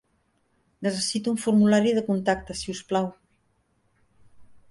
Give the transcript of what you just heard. Necessito un formulari de contacte, si us plau.